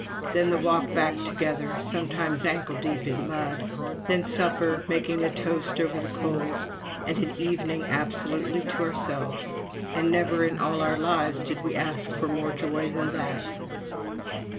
Then the walk back together, sometimes ankle deep in mud; then supper, making the toast over the coals, and an evening absolutely to ourselves. And never in all our lives did we ask for more joy than that.